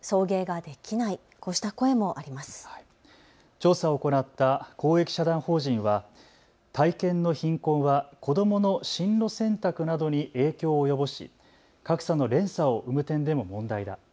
調査を行った公益社団法人は体験の貧困は子どもの進路選択などに影響を及ぼし格差の連鎖を生む点でも問題だ。